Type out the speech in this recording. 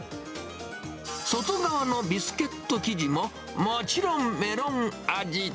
外側のビスケット生地も、もちろんメロン味。